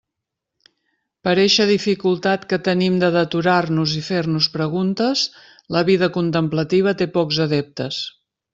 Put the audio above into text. Per eixa dificultat que tenim de deturar-nos i fer-nos preguntes, la vida contemplativa té pocs adeptes.